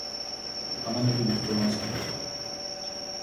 Она не любит Вронского.